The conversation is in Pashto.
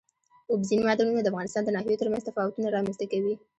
اوبزین معدنونه د افغانستان د ناحیو ترمنځ تفاوتونه رامنځ ته کوي.